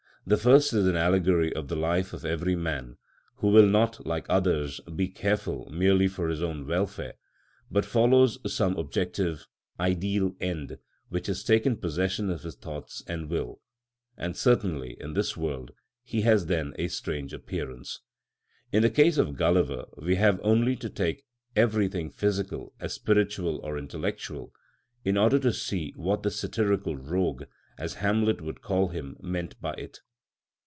The first is an allegory of the life of every man, who will not, like others, be careful, merely for his own welfare, but follows some objective, ideal end, which has taken possession of his thoughts and will; and certainly, in this world, he has then a strange appearance. In the case of Gulliver we have only to take everything physical as spiritual or intellectual, in order to see what the "satirical rogue," as Hamlet would call him, meant by it.